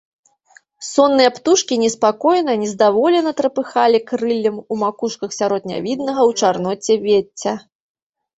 Сонныя птушкі неспакойна, нездаволена трапыхалі крыллем у макушках сярод нявіднага ў чарноце вецця.